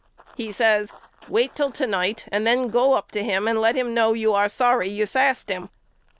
He says Wait till to night and then go up to him and let him know you are sorry you sassed him.